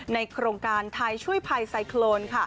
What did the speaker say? โครงการไทยช่วยภัยไซโครน